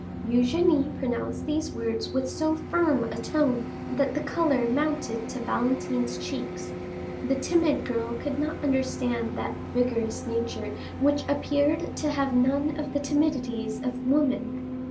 Eugénie pronounced these words with so firm a tone that the color mounted to Valentine's cheeks. The timid girl could not understand that vigorous nature which appeared to have none of the timidities of woman.